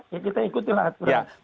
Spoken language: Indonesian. ya kita ikutin aturan